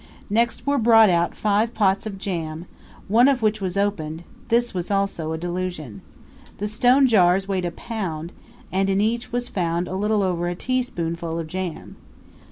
Next were brought out five pots of jam, one of which was opened this was also a delusion. The stone jars weighed a pound, and in each was found a little over a tea spoonful of jam.